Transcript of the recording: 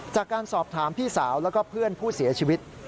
จากการสอบถามพี่สาวแล้วก็เพื่อนผู้เสียชีวิต